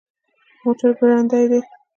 موټر ګړندی دی